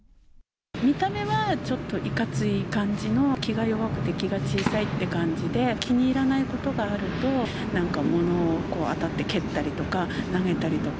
見た目はちょっといかつい感じの、気が弱くて気が小さいって感じで、気に入らないことがあると、なんか物に当たって蹴ったりとか、投げたりとか。